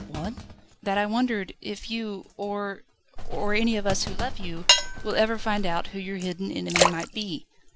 "What?" "That I wondered if you, or or any of us who love you, will ever find out who your hidden enemy might be."